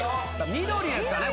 緑ですかね？